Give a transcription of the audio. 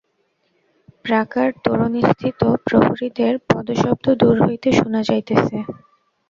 প্রাকার-তোরণস্থিত প্রহরীদের পদশব্দ দূর হইতে শুনা যাইতেছে।